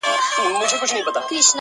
خدایه مینه د قلم ورکي په زړو کي ,